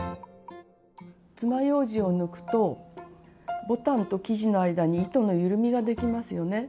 つまようじを抜くとボタンと生地の間に糸のゆるみができますよね。